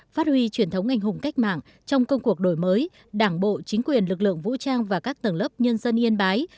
phát huy truyền thống ngành hùng cách mạng trong công cuộc đổi mới đảng bộ chính quyền lực lượng vũ trang và các tầng lớp nhân dân yên bái